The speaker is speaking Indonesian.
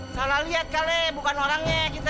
salah lihat kali bukan orangnya kita